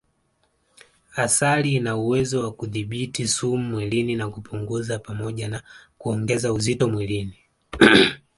Asali ina uwezo wa kudhibiti sumu mwilini na kupunguza pamoja na kuongeza uzito mwilini